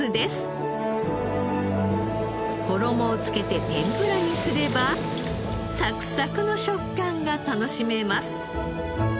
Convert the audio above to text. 衣を付けて天ぷらにすればサクサクの食感が楽しめます。